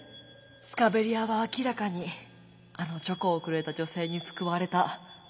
スカベリアは明らかにあのチョコをくれた女性に救われた。